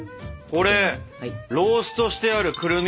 これローストしてあるくるみ！